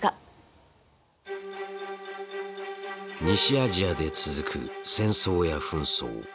西アジアで続く戦争や紛争。